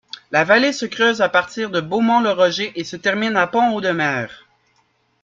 La vallée se creuse à partir de Beaumont-le-Roger et se termine à Pont-Audemer.